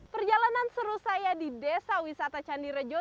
perjalanan seru saya di desa wisata candirejo